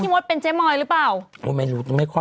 ไม่รู้ไม่ค่อยไม่รู้จัก